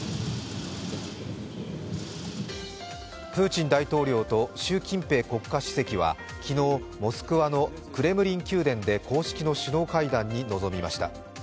プーチン大統領と習近平国家主席は昨日、モスクワのクレムリン宮殿で公式の首脳会談に臨みました。